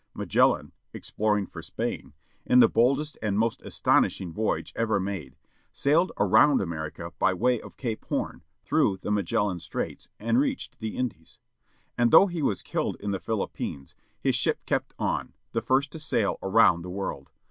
Magellan, exploring for Spain, in the boldest and most astonishing voyage ever made, sailed around America by way of Cape Horn, through the "Magellan Straits, " and reached the Indies. And though he was killed in the Philippines, his ship kept on, the first to sail around the world.